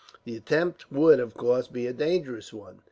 The attempt would, of course, be a dangerous one.